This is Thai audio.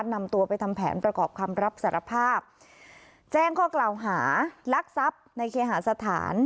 นำตัวไปทำแผนประกอบคำรับสารภาพแจ้งข้อกล่าวหาลักทรัพย์ในเคหาสถาน